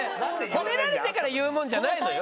褒められてから言うもんじゃないのよ。